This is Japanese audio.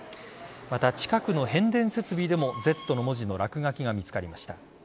また、近くの変電設備でもＺの文字の落書きが見つかりました。